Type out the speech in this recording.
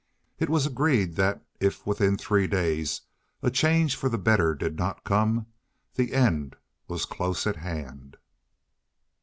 It was agreed that if within three days a change for the better did not come the end was close at hand.